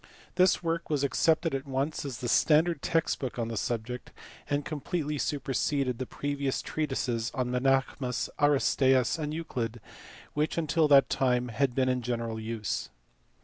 This work was accepted at once as the standard text book on the subject, and completely superseded the previous treatises of Menaech mus, Aristaeus, and Euclid which until that time had been in general use.